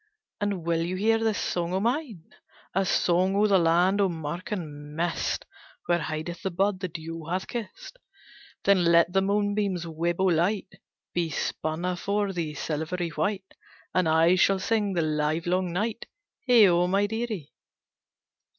And will you hear this song of mine, A song of the land of murk and mist Where bideth the bud the dew hath kist? Then let the moonbeam's web of light Be spun before thee silvery white, And I shall sing the livelong night, Heigho, my dearie!"